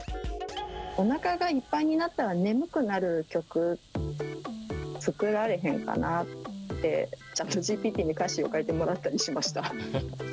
おなかがいっぱいになったら眠くなる曲、作られへんかなって、チャットＧＰＴに歌詞を書いてもらったりしました。